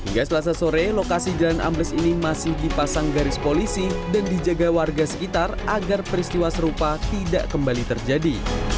hingga selasa sore lokasi jalan ambles ini masih dipasang garis polisi dan dijaga warga sekitar agar peristiwa serupa tidak kembali terjadi